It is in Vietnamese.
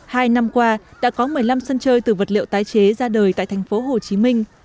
hai năm qua đã có một mươi năm sân chơi từ vật liệu tái chế ra đời tại thành phố hồ chí minh